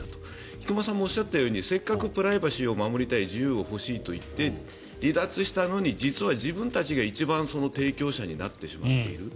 菊間さんもおっしゃったようにせっかくプライバシーを守りたい自由を欲しいと言って離脱したのに実は自分たちが一番提供者になってしまっている。